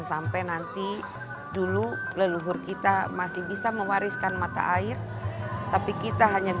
sampai jumpa di video selanjutnya